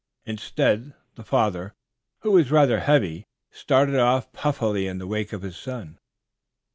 Instead, the father, who was rather heavy, started off puffily in the wake of his son.